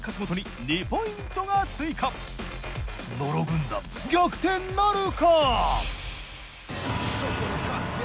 野呂軍団逆転なるか！？